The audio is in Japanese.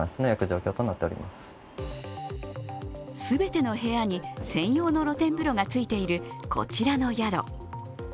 全ての部屋に専用の露天風呂がついているこちらの宿。